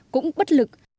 cũng bất lực